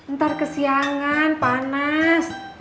ntar kesiangan panas